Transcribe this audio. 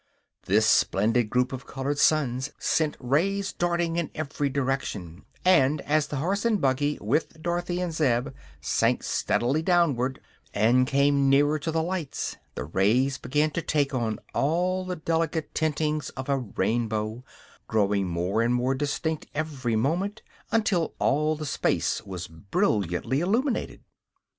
This splendid group of colored suns sent rays darting in every direction, and as the horse and buggy with Dorothy and Zeb sank steadily downward and came nearer to the lights, the rays began to take on all the delicate tintings of a rainbow, growing more and more distinct every moment until all the space was brilliantly illuminated.